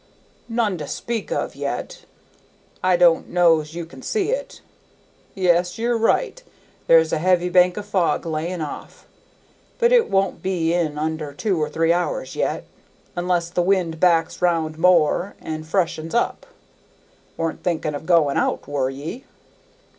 "None to speak of yet, I don't know's you can see it, yes, you're right; there's a heavy bank of fog lyin' off, but it won't be in under two or three hours yet, unless the wind backs round more and freshens up. Weren't thinking of going out, were ye?"